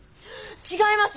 違います。